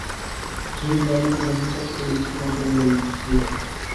رہی دادی تو گھر میں سب سے بڑی فتنہ پرور وہی ہے۔